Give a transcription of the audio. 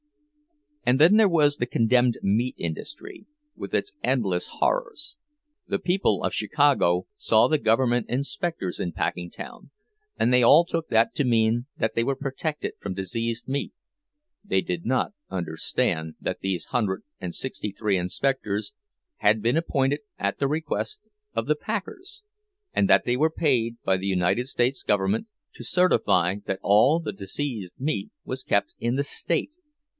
And then there was the condemned meat industry, with its endless horrors. The people of Chicago saw the government inspectors in Packingtown, and they all took that to mean that they were protected from diseased meat; they did not understand that these hundred and sixty three inspectors had been appointed at the request of the packers, and that they were paid by the United States government to certify that all the diseased meat was kept in the state.